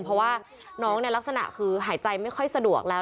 เพราะว่าน้องลักษณะคือหายใจไม่ค่อยสะดวกแล้ว